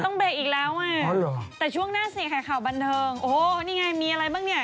ต้องเบรกอีกแล้วอ่ะแต่ช่วงหน้าสิค่ะข่าวบันเทิงโอ้โหนี่ไงมีอะไรบ้างเนี่ย